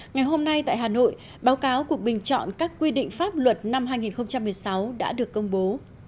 ngày hôm nay tại hà nội báo cáo cuộc bình chọn các quy định pháp luật năm hai nghìn một mươi sáu đã được công bố